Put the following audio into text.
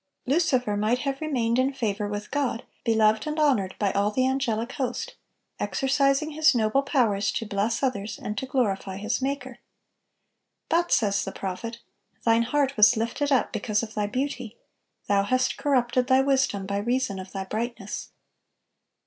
(880) Lucifer might have remained in favor with God, beloved and honored by all the angelic host, exercising his noble powers to bless others and to glorify his Maker. But, says the prophet, "Thine heart was lifted up because of thy beauty, thou hast corrupted thy wisdom by reason of thy brightness."